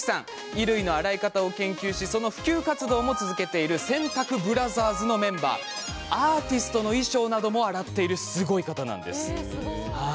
衣類の洗い方を研究しその普及活動も続けている洗濯ブラザーズのメンバーアーティストの衣装なども洗っているすごい方なんです。